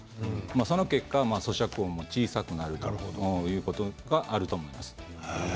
その結果、そしゃく音も小さくなるだろうということがあると思います。